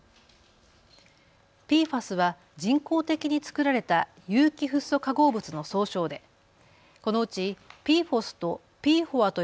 ＰＦＡＳは人工的に作られた有機フッ素化合物の総称でこのうちＰＦＯＳとＰＦＯＡと